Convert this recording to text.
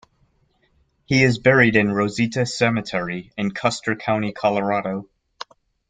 He is buried in Rosita Cemetery in Custer County, Colorado.